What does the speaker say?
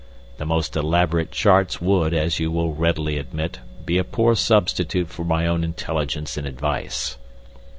The most elaborate charts would, as you will readily admit, be a poor substitute for my own intelligence and advice.